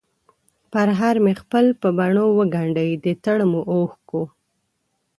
پرهر مې خپل په بڼووګنډی ، دتړمو اوښکو،